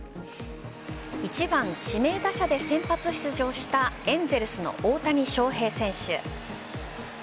１番・指名打者で先発出場したエンゼルスの大谷翔平選手。